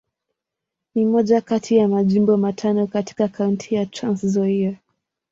Ni moja kati ya Majimbo matano katika Kaunti ya Trans-Nzoia.